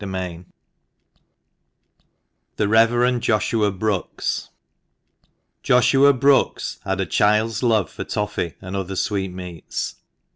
* THE REVEREND JOSHUA BROOKES. OSHUA BROOKES had a child's love for toffy and other sweetmeats.